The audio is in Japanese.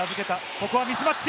ここはミスマッチ。